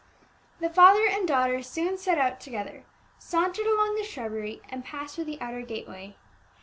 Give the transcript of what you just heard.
The father and daughter soon set out together, sauntered along the shrubbery, and passed through the outer gateway.